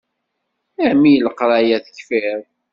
A mmi leqraya tekfiḍ.